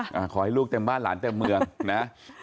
ขอให้ลูกเต็มบ้านหลานเต็มเมืองนะ